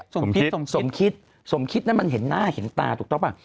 สมคิดสมคิดสมคิดนั้นมันเห็นหน้าเห็นตาถูกต้องป่ะ